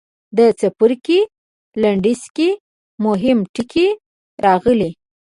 د څپرکي لنډیز کې مهم ټکي راغلي.